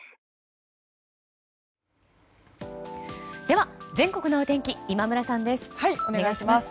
では、全国のお天気今村さんです。